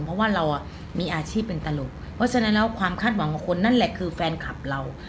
เพราะว่าเรามีอาชีพเป็นตลกเพราะฉะนั้นแล้วความคาดหวังของคนนั่นแหละคือแฟนคลับเรา